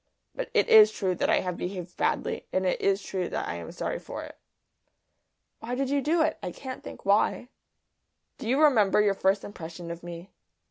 But it is true that I have behaved badly; and it is true that I am sorry for it." "Why did you do it? I can't think why." "Do you remember your first impression of me?"